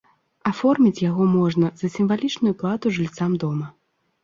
Аформіць яго можна за сімвалічную плату жыльцам дома.